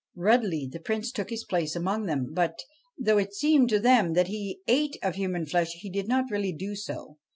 Readily the Prince took his place among them ; but, though it seemed to them that he ate of the human flesh, he did not really do so.